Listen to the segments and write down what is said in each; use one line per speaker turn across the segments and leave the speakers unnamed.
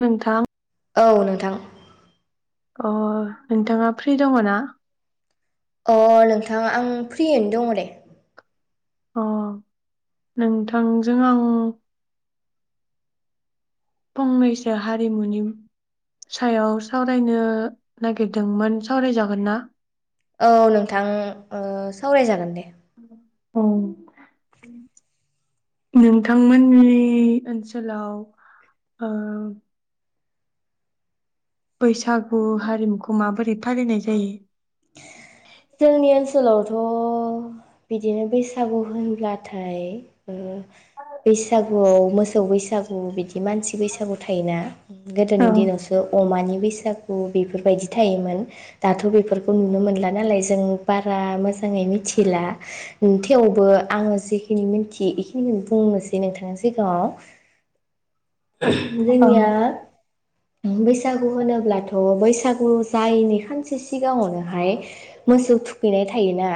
नोंथां।
औ नोंथां।
अ नोंथाङा फ्रि दङ'ना?
अ नोंथां आं फ्रियैनो दङ' दे।
अ नोंथांजों आं फंनैसो हारिमुनि सायाव सावरायनो नागिरदोंमोन सावरायजागोनना?
औ नोंथां उम ओ सावराय जागोन दे।
उम नोंथांमोननि ओनसोलाव ओ बैसागु हारिमुखौ माबोरै फालिनाय जायो?
जोंनि ओनसोलावथ' बिदिनो बैसागु होनब्लाथाय ओ बैसागुआव मोसौ बैसागु बिदि मानसि बैसागु थायोना। गोदोनि
औ
दिनावसो अमानि बैसागु बेफोरबायदि थायोमोन दाथ' बेफोरखौ नुनो मोनला नालाय जों बारा मोजाङै मिथिला थेवबो आङो जिखिनि मिथियो बिखिनिखौ बुंनोसै नोंथांनि सिगाङाव। जोंनिया बैसागु होनोब्लाथ' बैसागु जायैनि खानसे सिगाङावनोहाय मोसौ थुखैनाय थायोना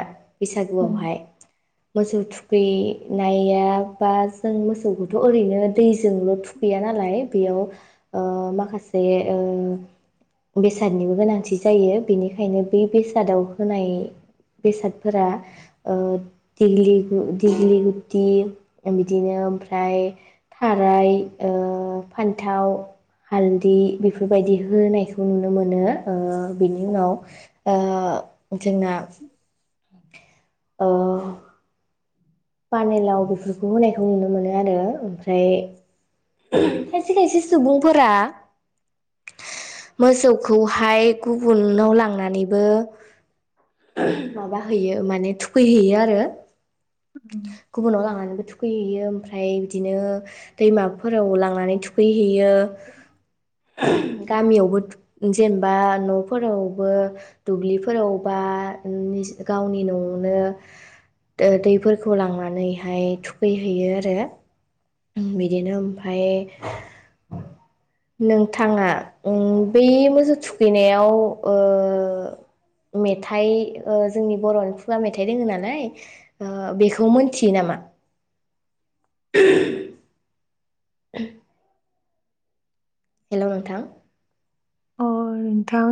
औ
बैसागुआवहाय। मोसौ थुखै नाया बा जों मोसौ थ' ओरैनो दैजोंल' थुखैया नालाय बेयाव ओ माखासे ओ बेसादनिबो गोनांथि जायो बेनिखायनो बे बेसादाव होनाय बेसादफोरा ओ देग्लि-देग्लिगुथि बिदिनो ओमफ्राय थाराय, फान्थाव, हालदै बेफोरबायदि होनायखौ नुनो मोनो। ओ बिनि उनाव ओ जोंना ओ पानेलाव बेफोरखौ होनायखौ नुनो मोनो आरो ओमफ्राय खायसे खायसे सुबुंफोरा मोसौखौहाय गु उन नाव लांनानैबो माबाहैैयो माने थुखैहैयो आरो
[inaudible]
गुबुनाव लांनानैबो थुखैहैयो ओमफ्राय बिदिनो दैमाफोराव लांनानै थुखै यो गामियावबो जेनबा न'फोरावबो दुब्लिफोराव बा उम गावनि न'आवनो ओ दै [unintelligible] लांनानैहाय थुखैहैयो आरो बिदिनो ओमफाय नोंथाङा ओम बै मोसौ थुखैनायाव ओ मेथाइ ओ जोंनि बर'नि खुगा मेथाइ दोङ नालाय ओ बेखौ मोन्थियो नामा? [inaudible] [inaudible] हेलौ नोंथां
अ नोंथां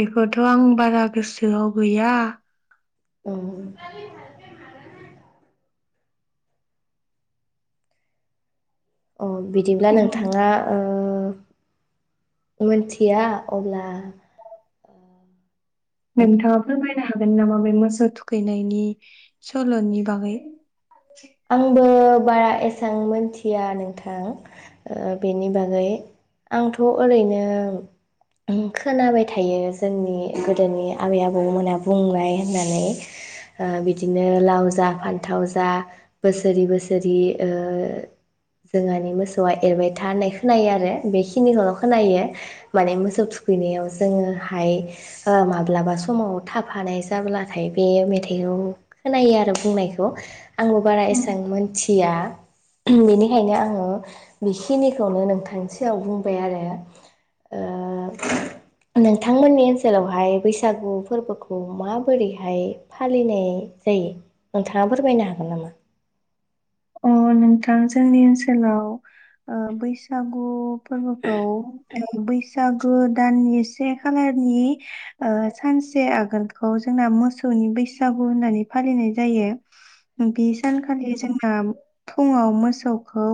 बेखौथ' आं बारा गोसोआव गैया
औ अ बिदिब्ला
उम
नोंथाङा ओ मोनथिया अब्ला
नोंथाङा फोरमाय नो हागोन नामा बे मोसौ थुखैनायनि सल'नि बागै
आंबो बारा एसां मोनथिया नोंथां ओ बेनि बागै आंथ' ओरैनो खोनाबाय थायो जोंनि गोदोनि आबै आबौमोनहा बुंबाय होननानै ओ बिदिनो लाव जा फान्थाव जा बोसोरि बोसोरि ओ जोंहानि मोसौआ एरबाय था होननाय खोनायो आरो बेखिनिखौल' खोनायो माने मोसौ थुखैनायाव जोङोहाय माब्लाबा समाव थाफानाय जाब्लाथाय बे मेथाइखौ खोनायो आरो बुंनायखौ आंबो बारा एस बां मोनथिया बेनिखायनो आङो बेखिनिखौनो नोंथांनि सियाव बुंबाय आरो नोंथांमोननि ओनसोलावहाय बैसागु फोरबोखौ माबोरैहाय फालिनाय जायो नोंथाङा फोरमायनो हागोन नामा?
अ नोंथां जोंनि ओनसोलाव ओ बैसागु फोरबोखौ बैसागु दाननि से खालारनि ओ सानसे आगोलखौ जोंना मोसौनि बैसागु होननानै फालिनाय जायो बे सानखालि जोंना फुङाव मोसौखौ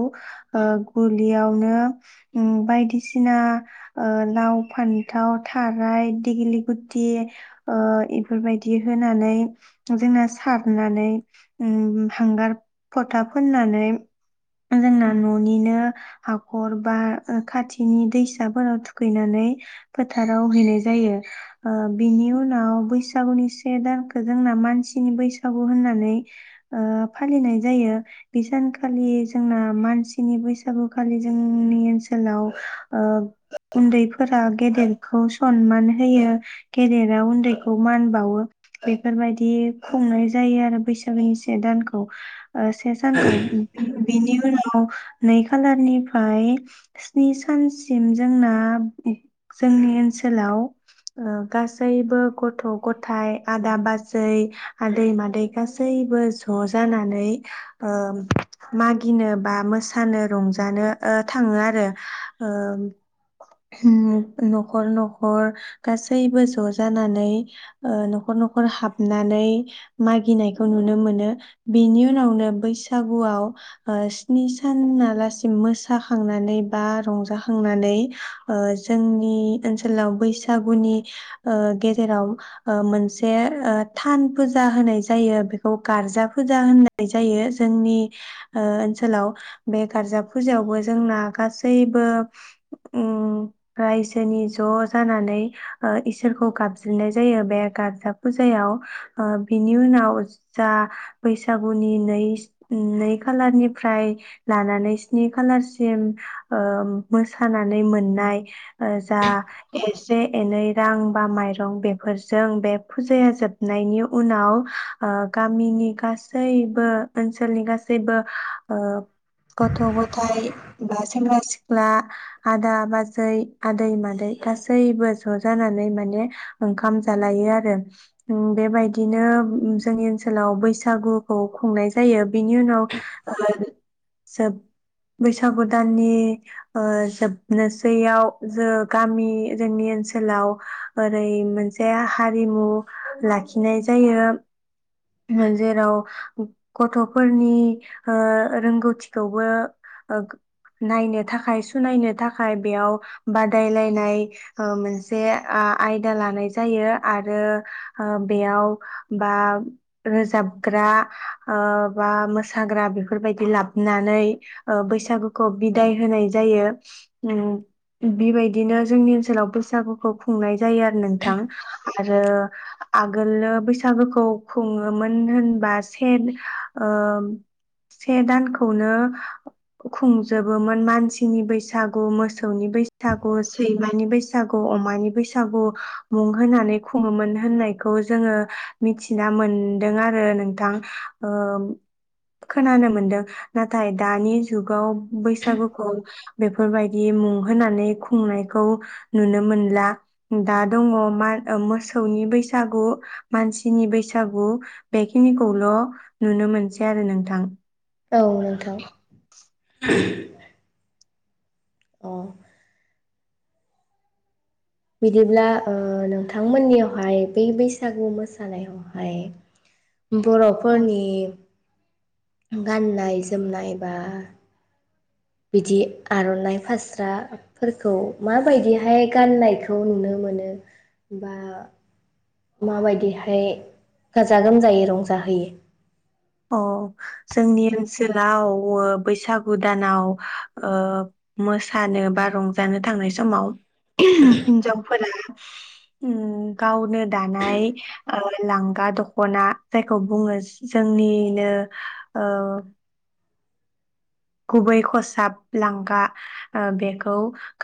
ओ गलियावनो बायदिसिना ओ लाव फान्थाव थाराय दिग्लि गुथि एफोरबायदि होनानै जोंना सारनानै हांगार फथा फोननानै जोंना न'निनो हाखर बा खाथिनि दैसाफोराव थुखैनानै फोथाराव हैनाय जायो ओ बिनि उनाव बैसागुनि से दानखौ जोंना मानसिनि बैसागु होननानै ओ फालिनाय जायो बे सानखालि जोंना मानसिनि बैसागुखालि जोंनि ओनसोलाव ओ उन्दैफोरा गेदेरखौ सनमान होयो गेदेरा उन्दैखौ मान बावो बेफोरबायदि खुंनाय जायो आरो बैसागुनि से दानखौ ओ सानखौ बिनि उनाव नाव नै खालारनिफ्राय स्नि सानसिम जोंना जोंनि ओनसोलाव ओ गासैबो गथ' गथायाइ आदा बाजै आदै मादै गासैबो ज' जानानै ओ मागिनो बा मोसानो रंजानो ओ थाङो आरो ओ न'खर न'खर गासैबो ज' जानानै ओ न'खर न'खर हाबनानै मागिनायखौ नुनो मोनो बेनि उनावनो बै सागु ओ स्नि सानालासिम मोसाखांनानै बा रंजाखांनानै ओ जोंनि ओनसोलाव बैसागुनि ओ गेजेराव ओ मोनसे ओ थान फुजा होनाय जायो बेखौ गारजा फुजा होननाय जायो जोंनि ओ ओनसोलाव बे गार्जा फुजायावबो जोंना गासैबो उम रायजोनि ज' जानानै ओ इसोरखौ गाबज्रिनाय जायो बे गार्जा फुजायाव ओ बिनि उनाव जा बैसागुनि नै नै खालारनिफ्राय लानानै स्नि खालारसिम ओ मोसानानै मोननाय ओ जा एसे एनै रां बा माइरं बेफोरजों बे फुजाया जोबनायनि उनाव ओ गामिनि गासैबो ओनसोलनि गासैबो ओ गथ' गथाय बा सेंग्रा सिख ख्ला आदा बाजै आदै मादै गासैबो ज' जानानै माने ओंखाम जालायो आरो उम बेबायदिनो जोंनि ओनसोलाव बैसागुखौ खुंनाय जायो बिनि उनाव ओ जोब बैसागु दाननि ओ जोबनोसैयाव जो गामि जोंनि ओनसोलाव ओरै मोनसे हारिमु लाखिनाय जायो जेराव गथ'फोरनि ओ रोंगौथिखौबो ओ नायनो थाखाय सुनायनो थाखाय बेयाव बादायलायनाय ओ मोनसे आ आयदा लानाय जायो आरो ओ बेयाव बा रोजाबग्रा ओ बा मोसाग्रा बेफोरबायदि लाबोनानै ओ बैसागुखौ बिदाय होनाय जायो उम बेबायदिनो जोंनि ओनसोलाव बै सागुखौ खुंनाय जायो आरो नोंथां आरो आगोलो बैसागोखौ खुङोमोन होनबा से ओ से दानखौनो खुंजोबोमोन मानसिनि बैसागु मोसौनि बैसागु सैमानि बैसागु अमानि बैसागु मुं होनानै खुङोमोन होननायखौ जोङो मिथिना मोनदों आरो नोंथां ओ खोनानो मोनदों नाथाय दानि जुगाव बैसागखौ बेफोरबायदि मुं होनोनानै खुंनायखौ नुनो मोनला दा दङ मा ओ मोसौनि बैसागु मानसिनि बैसागु बेखिनि खौल' नुनो मोनसै आरो नोंथां
औ नोंथां [inaudible] अ बिदिब्ला ओ नोंथांमोननियावहाय बै बैसागु मोसानायावहाय बर'फोरनि गान्नाय जोमनाय बा बिदि आर'नाइ फास्राफोरखौ माबायदिहाय गाननायखौ नुनो मोनो बा माबायदिहाय गाजा गोमजायै रंजाहोयो
अ जोंनि ओनसोलाव ओ बैसागु दानाव ओ मोसानो बा रंजानो थांनाय समाव हिन्जावफोरा उम गावनो दानाय ओ लांगा दख'ना जायखौ बुङो जों निनो ओ। गुबै खसाब लांगा ओ बेखौ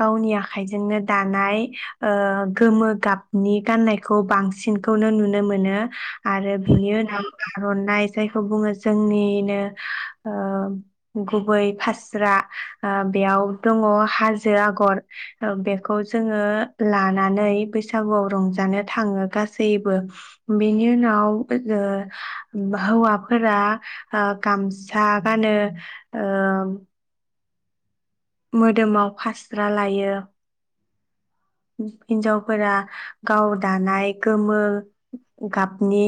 गावनि आखाइजोंनो दानाय ओ गोमो गाबनि गाननायखौ बांसिनखौनो नुनो मोनो आरो बिनि उनाव आर'नाइ जायखौ बुङो जोंनिनो ओ गुबै फास्रा ओ बेयाव दङ हाजो आगर बेखौ जोङो लानानै बैसागुआव रंजानो थाङो गासैबो बेनि उनाव ओ हौवाफोरा ओ गामसा गानो ओम। मोदोमाव फास्रा लायो। हिन्जावफोरा गाव दानाय गोमो गाबनि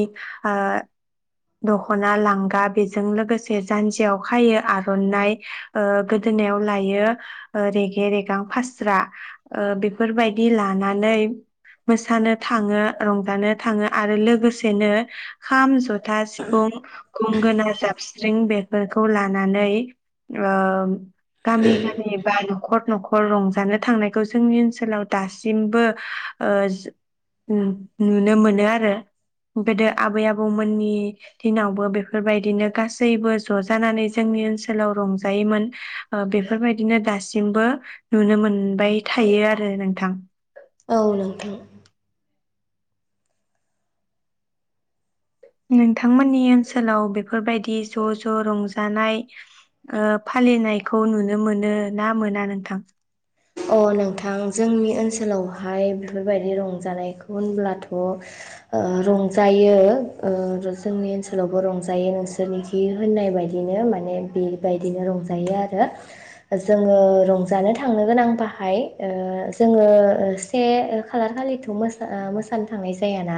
ओ दख'ना लांगा बेजों लोगोसे जान्जियाव खायो आर'नाइ गोदोनायाव लायो रेगे रेगां फास्रा ओ बे फोरबायदि लानानै मोसानो थाङो रंजानो थाङो आरो लोगोसेनो खाम ज था सिफुं गंगोना साबस्रिं बेफोरखौ लानानै ओ गामि गाम बल। खर न'खर रंजानो थांनायखौ जोंनि ओ सोलाव दासिमबो ओ नु-नुनो मोनो आरो गोदो आबै आबौमोननि दिनावबो बेफोरबायदिनो गासैबो ज' जानानै जोंनि ओनसोलाव रंजायोमोन ओ बेफोरबायदिनो दासिमबो नुनो मोनबाय थायो आ रो नोंथां।
औ नोंथां
नोंथांमोननि ओनसोलाव बेफोरबायदि ज' ज' रंजानाय ओ फालिनायखौ नुनो मोनो ना मोना नोंथां?
अ नोंथां जोंनि ओनसोलावहाय बेफोरबायदि रंजानायखौ होनब्लाथ' ओ रंजायो ओ र' जोंनि ओनसोलावबो रंजायो नोंसोरनिखि होननाय बायदिनो माने बेबायदिनो रंजायो आरो जोङो रंजानो थांनो गोनां बाहाय ओ जोङो से ओ खालार खालिथ' मोसा ओ मोसानो थांनाय जायाना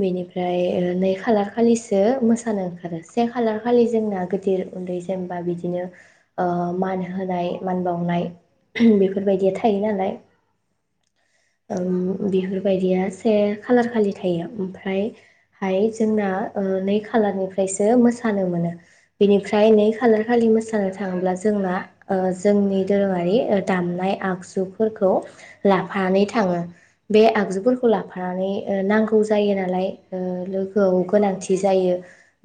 बेनिफ्राय नै खालार खालिसो मोसानो ओंखारो से खालार खालि जोंना गिदिर उन्दै जेनेबा बिदिनो ओ मान होनाय मान बावनाय बे फोरबायदिया थायो नालाय ओम बेफोरबायदिया से खालार खालि थायो ओमफ्राय हाय जोंना ओ नै खालारनिफ्रायसो मोसानो मोनो बेनिफ्राय नै खालार खालि मोसानो थाङोब्ला जोंना ओ जोंनि दोरोङारि ओ दाम नाय आगजुफोरखौ लाफानानै थाङो बे आगजुफोरखौ लाफानानै ओ नांगौ थायो नालाय ओ लोगोआव गोनांथि जायो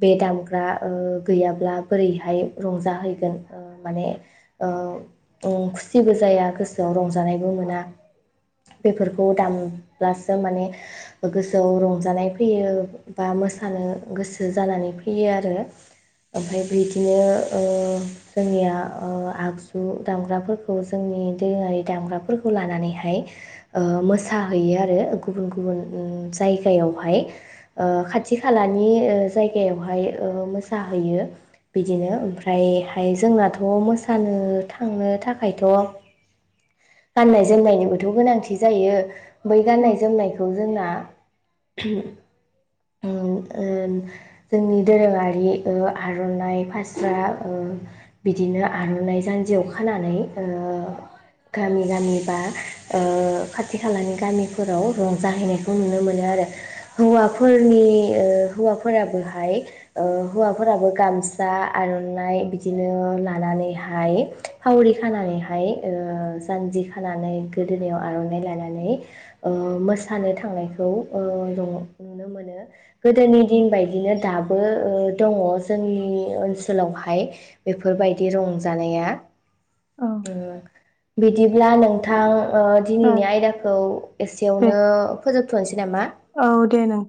बे दामग्रा ओ गैयाब्ला बोरैहाय रंजाहैगोन ओ माने ओ अं खुसिबो जाया। गोसोआव रंजानायबो मोना बेफोरखौ दामब्लासो माने गोसोआव रंजानाय फैयो बा मोसानो गोसो जानानै फैयो आरो ओमफ्राय बिदिनो ओ जोंनिया ओ आगजु दामग्राफोरखौ जोंनि दोङारि दामग्राफोरखौ लानानैहाय ओ मोसाहैयो आरो गुबुन गुबुन उम जायगायावहाय ओ खाथि खालानि ओ जायगायावहाय ओ मोसाहैयो बिदिनो ओमफ्रायहाय जोंनाथ' मोसानो थांनो थाखायथ' गाननाय जोमनायनिबोथ' गोनांथि जायो। बै
औ
गाननाय जोमनायखौ जोंना उम ओ जोंनि दोरोङारि ओ आर'नाइ फास्रा ओ बिदिनो आर'नाइ जान्जियाव खानानै ओ गामि गामि बा ओ खाथि खालानि गामिफोराव रंजाहैनायखौ नुनो मोनो आरो हौवाफोरनि ओ हौवाफोराबोहाय ओ हौवाफोराबो गामसा आर'नाइ बिदिनो लानानैहाय फावरि खानानैहाय ओ जानजि खानानै गोदोनायाव आर'नाइ लानानै ओ मोसानो थांनायखौ ओ नुनो मोनो। गोदोनि दिन बायदिनो दाबो ओ दङ जोंनि ओनसोलावहाय बेफोरबायदि रंजानाया।
औ
ओ। बिदिब्ला नोंथां। ओ
औ
दिनैनि आयदाखौ एसेयावनो फोजोबथ'नोसै नामा?
औ दे नोंथां